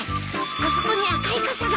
あそこに赤い傘が。